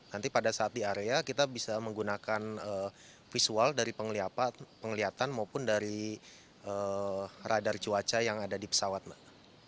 nanti pada saat di area kita bisa menggunakan visual dari penglihatan maupun dari radar cuaca yang ada di pesawat mbak